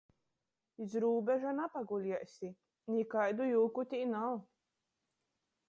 Iz rūbeža napaguliesi, nikaidu jūku tī nav.